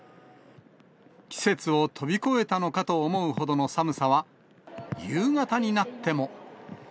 季節を飛び越えたのかと思うほどの寒さは、夕方になっても。